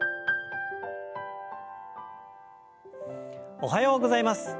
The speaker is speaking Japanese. おはようございます。